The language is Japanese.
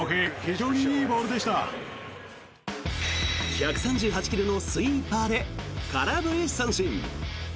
１３８ｋｍのスイーパーで空振り三振。